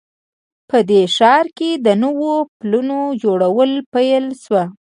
په دې ښار کې د نوو پلونو جوړول پیل شوي